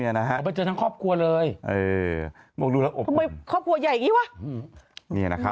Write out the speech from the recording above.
นี่นะฮะไปเจอกันทั้งครอบครัวเลยเออทำไมครอบครัวใหญ่อย่างนี้วะ